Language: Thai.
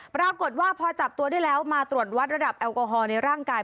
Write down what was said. ปรากฏว่าพอจับตัวได้แล้วมาตรวจวัดระดับแอลกอฮอลในร่างกาย